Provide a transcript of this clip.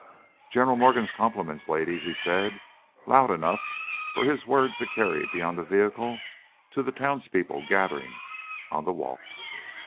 "General Morgan's compliments, ladies," he said, loud enough for his words to carry beyond the vehicle to the townspeople gathering on the walk.